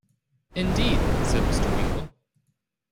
‘Indeed!’ said Mr. Winkle.